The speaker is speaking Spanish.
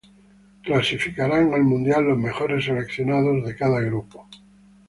Clasificarán al mundial los mejores seleccionados de cada grupo.